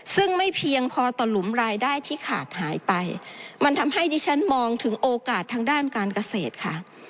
ซึ่งไม่เพียงพอต่อหลุมรายได้ที่ขาดหายไปมันทำให้ดิฉันมองถึงโอกาสทางด้านการเกษตรค่ะ